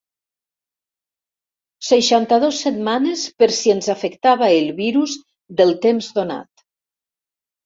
Seixanta-dos setmanes per si ens afectava el virus del temps donat.